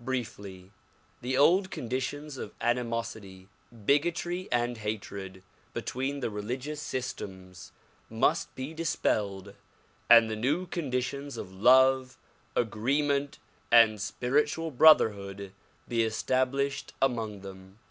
Briefly; the old con ditions of animosity, bigotry and hatred between the religious sys tems must be dispelled and the new conditions of love, agreement and spiritual brotherhood be established among them.